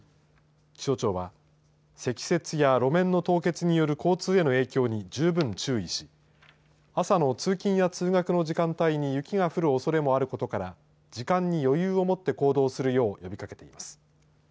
気象庁は積雪や路面の凍結による交通への影響に十分注意し朝の通勤や通学の時間帯に雪が降るおそれもあることから時間に余裕を持って行動するよう呼びかけています。